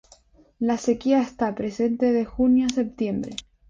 La sequía está presente de junio a septiembre.